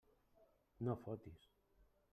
No fotis!